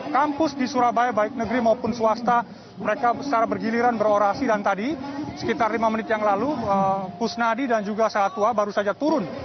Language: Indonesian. kampus di surabaya baik negeri maupun swasta mereka secara bergiliran berorasi dan tadi sekitar lima menit yang lalu kusnadi dan juga sahat tua baru saja turun